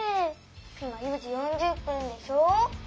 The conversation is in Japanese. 今４時４０分でしょ。